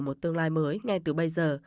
một tương lai mới ngay từ bây giờ